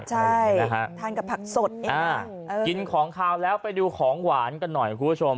ใช่ทานกับผักสดเองกินของขาวแล้วไปดูของหวานกันหน่อยคุณผู้ชม